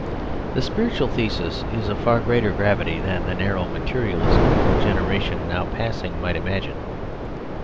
This spiritual thesis is of far greater gravity than the narrow materialism of a generation now passing might imagine.